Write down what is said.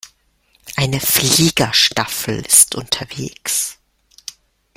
Eine Fliegerstaffel ist unterwegs.